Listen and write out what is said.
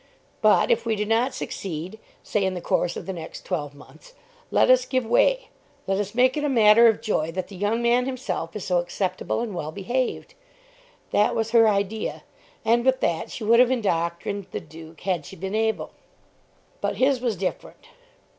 But if we do not succeed, say in the course of the next twelve months, let us give way. Let us make it a matter of joy that the young man himself is so acceptable and well behaved." That was her idea, and with that she would have indoctrined the Duke had she been able. But his was different.